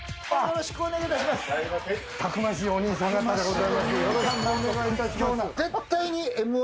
よろしくお願いいたします絶対に。